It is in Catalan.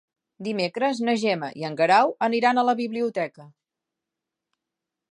Dimecres na Gemma i en Guerau aniran a la biblioteca.